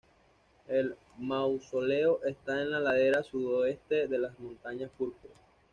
El mausoleo está en la ladera sudoeste de la Montañas Púrpura.